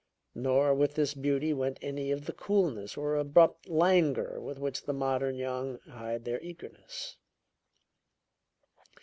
Nor with this beauty went any of the coolness or abrupt languor with which the modern young hide their eagerness.